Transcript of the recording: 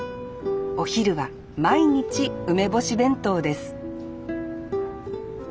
お昼は毎日梅干し弁当です